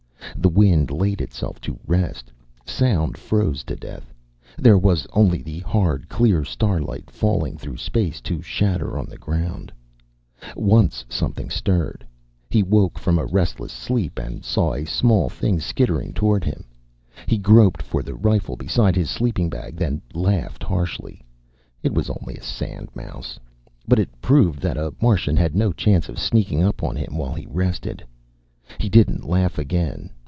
The wind laid itself to rest, sound froze to death, there was only the hard clear starlight falling through space to shatter on the ground. Once something stirred. He woke from a restless sleep and saw a small thing skittering toward him. He groped for the rifle beside his sleeping bag, then laughed harshly. It was only a sandmouse. But it proved that the Martian had no chance of sneaking up on him while he rested. He didn't laugh again.